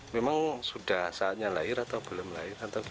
memang sudah saatnya lahir atau belum lahir atau gimana